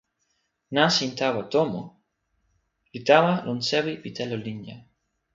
nasin tawa tomo li tawa lon sewi pi telo linja.